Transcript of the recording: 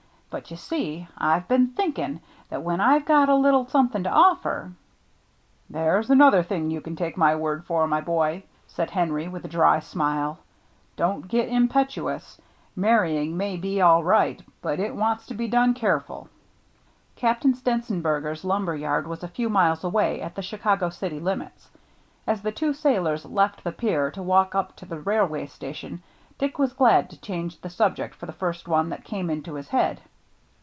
But you see, I've been thinking that when I've got a little something to offer —" 48 THE MERRT JNNE "There's another thing you can take my word for, my boy," said Henry, with a dry smile ;" don't get impetuous. Marrying may be all right, but it wants to be done careful." Captain Stenzenberger's lumber yard was a few miles away, at the Chicago city limits. As the two sailors left the pier to walk up to the railway station, Dick was glad to change the subject for the first one that came into his head.